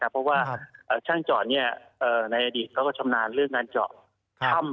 เพราะว่าช่างจอดในอดีตเขาก็ชำนาญเรื่องการเจาะถ้ำ